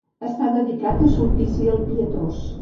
Està dedicada a Sulpici el Pietós.